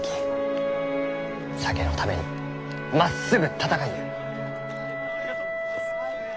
酒のためにまっすぐ闘いゆう。